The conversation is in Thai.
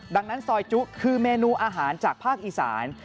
ดังนั้นซอยจุคือเมนูอาหารจากภาคอีสาน